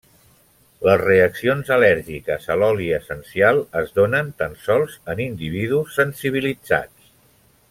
Les reaccions al·lèrgiques a l'oli essencial es donen tan sols en individus sensibilitzats.